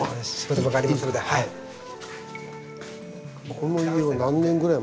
この家は何年ぐらい前。